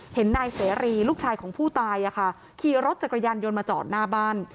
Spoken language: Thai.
เห็นนายเสรีลูกชายของผู้ตายขี่รถจักรยานยนต์มาจอดหน้าบ้าน